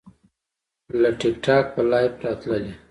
له ټیک ټاک به لایو راتللی